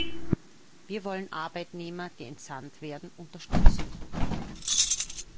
Wir wollen Arbeitnehmer, die entsandt werden, unterstützen.